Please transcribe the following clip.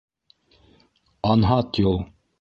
Анһат юл...